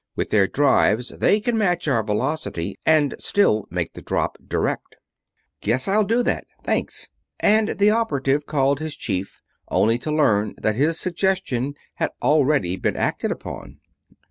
With their drives they can match our velocity and still make the drop direct." "Guess I'll do that thanks," and the operative called his chief, only to learn that his suggestion had already been acted upon.